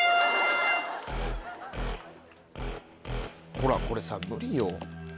ほらこれさ無理よ。